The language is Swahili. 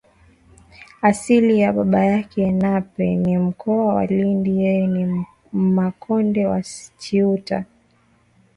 Asili ya baba yake Nape ni mkoa wa Lindi yeye ni Mmakonde wa Chiuta